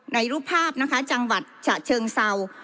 รูปภาพนะคะจังหวัดฉะเชิงเศร้า